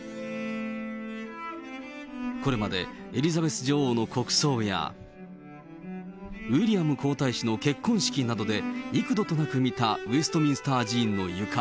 これまでエリザベス女王の国葬や、ウィリアム皇太子の結婚式などで幾度となく見た、ウェストミンスター寺院の床。